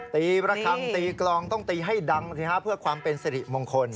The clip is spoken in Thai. ระคังตีกลองต้องตีให้ดังสิฮะเพื่อความเป็นสิริมงคล